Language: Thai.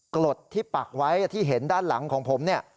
กรดที่ปักไว้ที่เห็นด้านหลังของผมเนี่ย